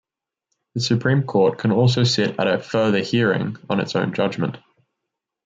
The Supreme Court can also sit at a "further hearing" on its own judgment.